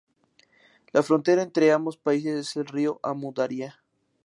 La frontera entre ambos países es el río Amu Daria.